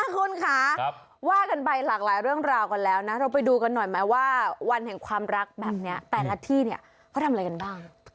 คุณค่ะว่ากันไปหลากหลายเรื่องราวกันแล้วนะเราไปดูกันหน่อยไหมว่าวันแห่งความรักแบบนี้แต่ละที่เนี่ยเขาทำอะไรกันบ้าง